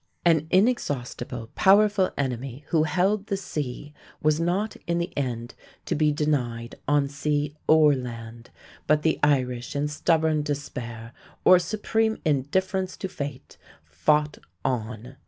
An inexhaustible, powerful enemy who held the sea was not in the end to be denied on sea or land, but the Irish in stubborn despair or supreme indifference to fate fought on.